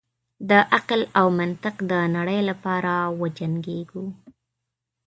د عقل او منطق د نړۍ لپاره وجنګیږو.